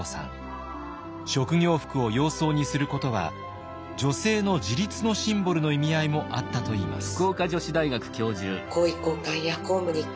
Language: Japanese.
職業服を洋装にすることは女性の自立のシンボルの意味合いもあったといいます。